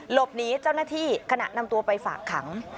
หลบหนีเจ้าหน้าที่ขณะนำตัวไปฝากขัง